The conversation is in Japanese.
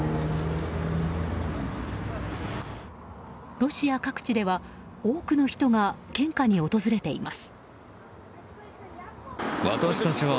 ロシア各地では多くの人々が献花に訪れています。